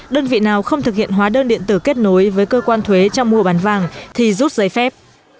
đơn vị nào không thực hiện hóa đơn điện tử kết nối với cơ quan thuế trong mua bán vàng thì rút giấy phép